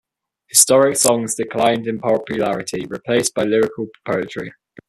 Historic songs declined in popularity, replaced by lyrical poetry.